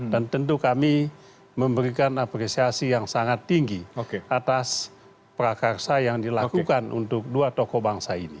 dan tentu kami memberikan apresiasi yang sangat tinggi atas prakarsa yang dilakukan untuk dua tokoh bangsa ini